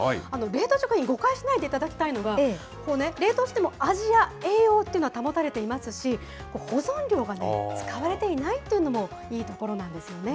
冷凍食品、誤解しないでいただきたいのは、冷凍しても味や栄養というのは保たれていますし、保存料が使われていないというのもいいところなんですよね。